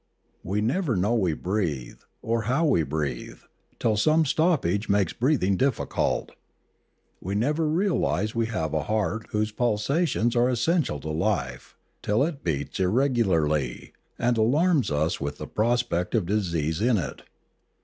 We never kuow we breathe, or how we breathe, till some stoppage makes breathing diffi cult; we never realise we have a heart whose pulsa tions are essential to life, till it beats irregularly, and alarms us with the prospect of disease in it.